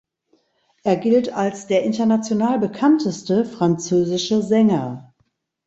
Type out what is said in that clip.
Er gilt als der international bekannteste französische Sänger.